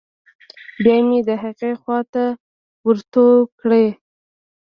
بيا مې د هغې خوا ته ورتو کړې.